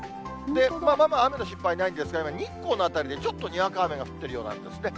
まあまあ雨の心配はないんですが、日光の辺りでちょっとにわか雨が降っているようなんですね。